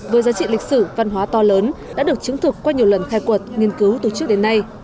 với giá trị lịch sử văn hóa to lớn đã được chứng thực qua nhiều lần khai quật nghiên cứu từ trước đến nay